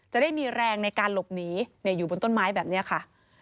จะได้มีแรงในการหลบหนีอยู่บนต้นไม้แบบนี้ค่ะ